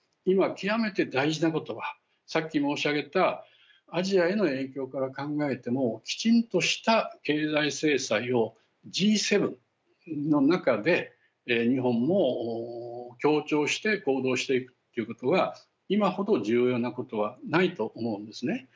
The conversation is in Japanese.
今極めて大事なことはさっき申し上げたアジアへの影響から考えてもきちんとした経済制裁をＧ７の中で日本も協調して行動していくということは今ほど重要なことはないと思うんですね。